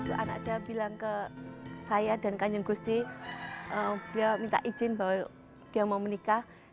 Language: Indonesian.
itu anak saya bilang ke saya dan kanjeng gusti dia minta izin bahwa dia mau menikah